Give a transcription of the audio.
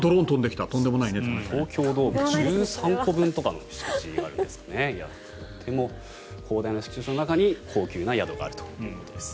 東京ドーム１３個分の敷地があるとても広大な敷地の中に高級な宿があるということです。